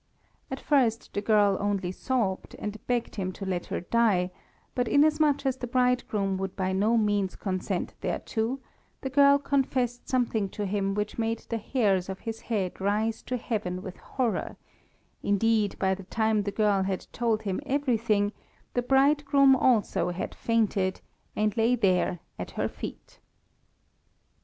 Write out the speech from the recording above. At first the girl only sobbed, and begged him to let her die; but inasmuch as the bridegroom would by no means consent thereto, the girl confessed something to him which made the hairs of his head rise to heaven with horror; indeed, by the time the girl had told him everything, the bridegroom also had fainted, and lay there at her feet.